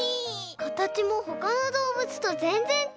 かたちもほかのどうぶつとぜんぜんちがう！